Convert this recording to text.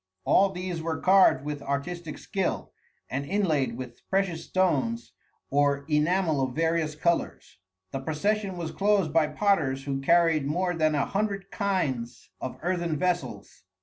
All these were carved with artistic skill, and inlaid with precious stones or enamel of various colors. The procession was closed by potters who carried more than a hundred kinds of earthen vessels.